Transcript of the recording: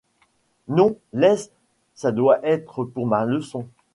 Non, laisse, ça doit être pour ma leçon.